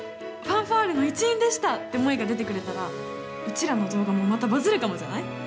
「ファンファーレの一員でした」って萌が出てくれたらうちらの動画もまたバズるかもじゃない？